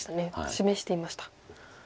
示していました。